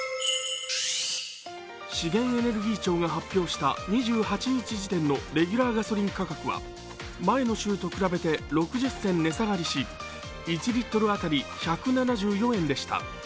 資源エネルギー庁が発表した２８日時点のレギュラーガソリン価格は前の週と比べて６０銭値下がりし、１リットル当たり１７４円でした。